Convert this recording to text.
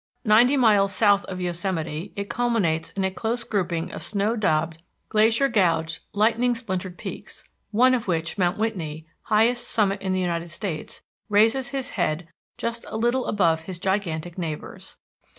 Ninety miles south of Yosemite it culminates in a close grouping of snow daubed, glacier gouged, lightning splintered peaks, one of which, Mount Whitney, highest summit in the United States, raises his head just a little above his gigantic neighbors.